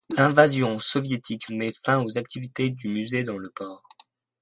L'invasion soviétique met fin aux activités du musée dans le port.